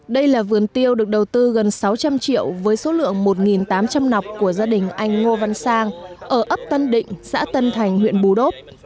đây là vườn tiêu được đầu tư gần sáu trăm linh triệu với số lượng một tám trăm linh nọc của gia đình anh ngô văn sang ở ấp tân định xã tân thành huyện bù đốc